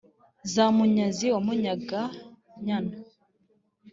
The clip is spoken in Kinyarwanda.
za munyazi wa munyaga-nyana,